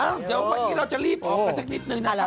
อ้าวเดี๋ยววันนี้เราจะรีบออกกันสักนิดหนึ่งนะครับ